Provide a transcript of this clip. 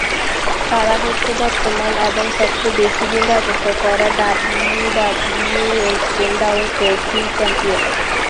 তারা হচ্ছেন বর্তমান এবং সবচেয়ে বেশি দিন রাজত্ব করা WWE SmackDown tag team champion.